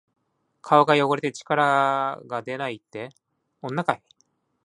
顔が汚れて力がでないって、女かい！